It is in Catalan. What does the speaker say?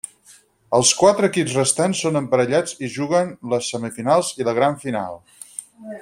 Els quatre equips restants són emparellats i juguen les semifinals i la gran final.